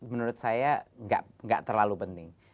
menurut saya nggak terlalu penting